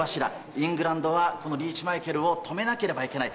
イングランドはこのリーチマイケルを止めなければいけない。